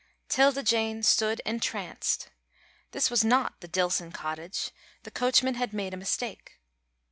'Tilda Jane stood entranced. This was not the Dillson cottage, the coachman had made a mistake.